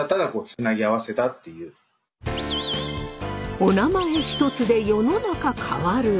おなまえ一つで世の中変わる！